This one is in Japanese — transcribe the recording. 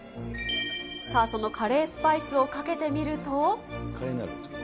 さあ、そのカレースパイスをかけてみると。